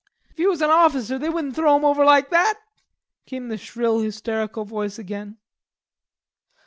"If he was an awficer, they wouldn't throw him over like that," came the shrill hysterical voice again.